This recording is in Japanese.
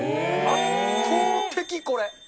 圧倒的これ。